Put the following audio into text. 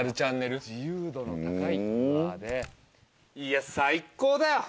いや最高だよ！